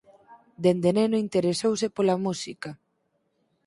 Dende neno interesouse pola música.